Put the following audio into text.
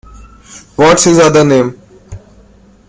What’s his other name?